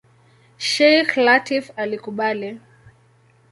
Sheikh Lateef alikubali.